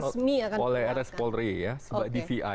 betul akan diperlakukan oleh rs polri ya sebagai dvi ya